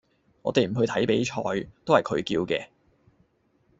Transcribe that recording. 我哋唔去睇比賽，都係佢叫嘅